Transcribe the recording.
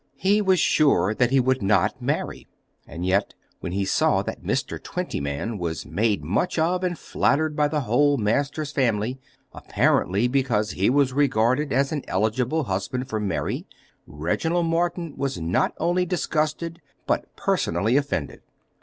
He was sure that he would not marry. And yet when he saw that Mr. Twentyman was made much of and flattered by the whole Masters family, apparently because he was regarded as an eligible husband for Mary, Reginald Morton was not only disgusted, but personally offended.